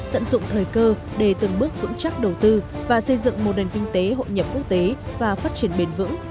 tận dụng thời cơ để từng bước vững chắc đầu tư và xây dựng một nền kinh tế hội nhập quốc tế và phát triển bền vững